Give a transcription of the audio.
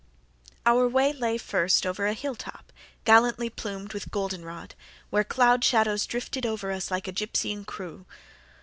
Our way lay first over a hill top, gallantly plumed with golden rod, where cloud shadows drifted over us like a gypsying crew.